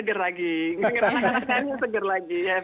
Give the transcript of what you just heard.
denger anak anak nyanyi seger lagi